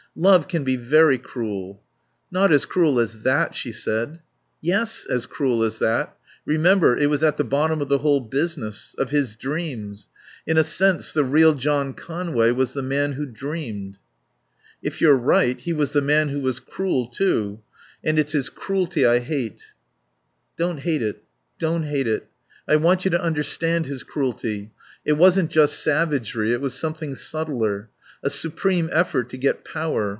"Love can be very cruel." "Not as cruel as that," she said. "Yes. As cruel as that.... Remember, it was at the bottom of the whole business. Of his dreams. In a sense, the real John Conway was the man who dreamed." "If you're right he was the man who was cruel, too. And it's his cruelty I hate." "Don't hate it. Don't hate it. I want you to understand his cruelty. It wasn't just savagery. It was something subtler. A supreme effort to get power.